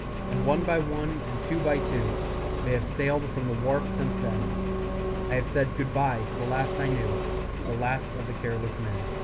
And one by one, and two by two, They have sailed from the wharf since then; I have said good bye to the last I knew, The last of the careless men.